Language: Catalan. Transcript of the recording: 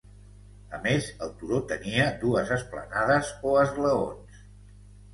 A més, el turó tenia dues esplanades o esglaons.